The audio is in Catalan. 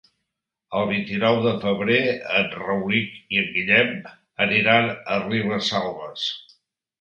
El vint-i-nou de febrer en Rauric i en Guillem aniran a Ribesalbes.